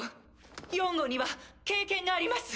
４号には経験があります。